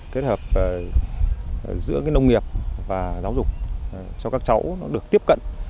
kết hợp giữa cái nông nghiệp và giáo dục cho các cháu nó được tiếp cận